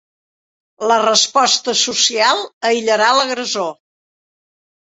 La resposta social aïllarà l'agressor.